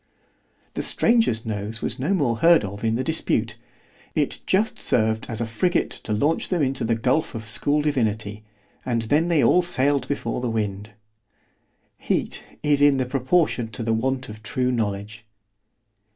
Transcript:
The stranger's nose was no more heard of in the dispute—it just served as a frigate to launch them into the gulph of school divinity——and then they all sailed before the wind. Heat is in proportion to the want of true knowledge.